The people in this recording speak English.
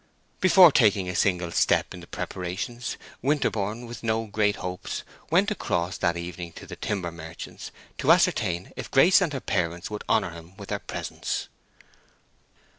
Before taking a single step in the preparations, Winterborne, with no great hopes, went across that evening to the timber merchant's to ascertain if Grace and her parents would honor him with their presence.